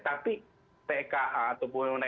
tapi pka atau pnna